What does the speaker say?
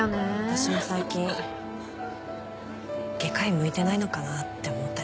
私も最近外科医向いてないのかなって思ったりしてる。